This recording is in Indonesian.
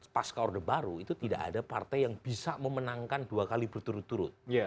pasca orde baru itu tidak ada partai yang bisa memenangkan dua kali berturut turut